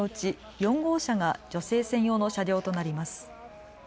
４号車が女性専用の車両となります。